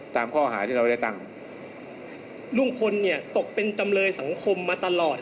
ตามข้อหาที่เราได้ตั้งลุงพลเนี่ยตกเป็นจำเลยสังคมมาตลอด